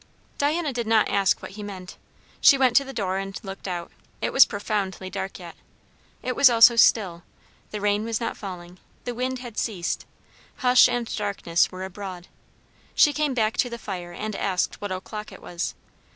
Diana did not ask what he meant. She went to the door and looked out. It was profoundly dark yet. It was also still. The rain was not falling; the wind had ceased; hush and darkness were abroad. She came back to the fire and asked what o'clock it was.